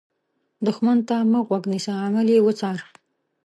دښمن ته مه غوږ نیسه، عمل یې وڅار